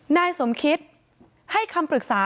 นายสมคิตให้คำปรึกษา